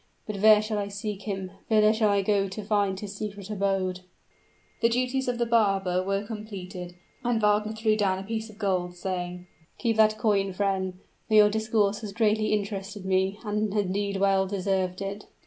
But where shall I seek him? whither shall I go to find his secret abode?" The duties of the barber were completed; and Wagner threw down a piece of gold, saying, "Keep that coin, friend, for your discourse has greatly interested me, and has indeed well deserved it."